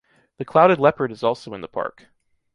The clouded leopard is also in the park.